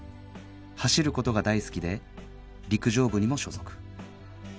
走る事が大好きで陸上部にも所属